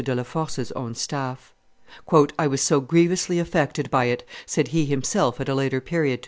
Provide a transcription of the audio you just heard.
de la Force's own staff. "I was so grievously affected by it," said he himself at a later period to M.